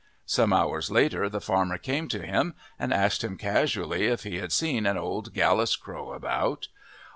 Some hours later the farmer came to him and asked him casually if he had seen an old gallus crow about.